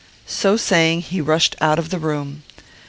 So saying, he rushed out of the room.